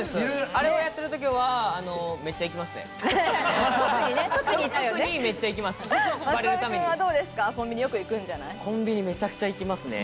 あれをやってる時はめっちゃ行きますね。